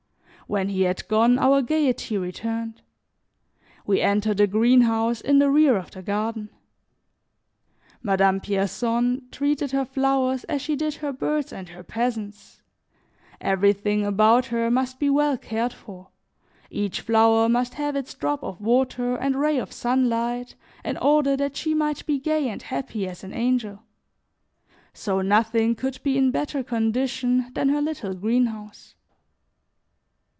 When he had gone our gaiety returned. We entered a greenhouse in the rear of the garden. Madame Pierson treated her flowers as she did her birds and her peasants, everything about her must be well cared for, each flower must have its drop of water and ray of sunlight in order that she might be gay and happy as an angel; so nothing could be in better condition than her little greenhouse.